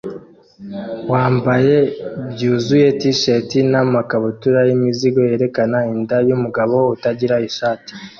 wambaye byuzuye t-shati namakabutura yimizigo yerekana inda yumugabo utagira ishati